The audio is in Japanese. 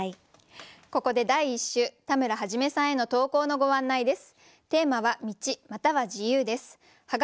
ここで第１週田村元さんへの投稿のご案内です。